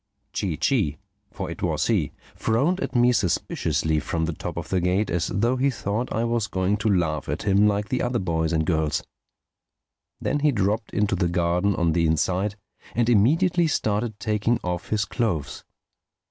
[Illustration: A traveler arrives] Chee Chee—for it was he—frowned at me suspiciously from the top of the gate, as though he thought I was going to laugh at him like the other boys and girls. Then he dropped into the garden on the inside and immediately started taking off his clothes.